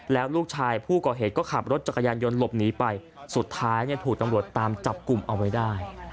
แล้วลูกชายผู้ก่อเหตุก็ขับรถจักรยานยนต์หลบหนีไปสุดท้ายถูกตำรวจตามจับกลุ่มเอาไว้ได้